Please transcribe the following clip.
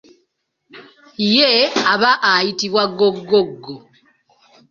Ye aba ayitibwa ggoggoggo.